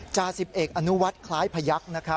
จ่าสิบเอกอนุวัฒน์คล้ายพยักษ์